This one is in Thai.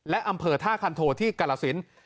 และอำเภอท่าคันโทที่กรสิน